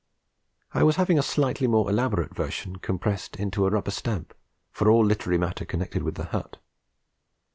I was having a slightly more elaborate version compressed into a rubber stamp for all literary matter connected with the hut.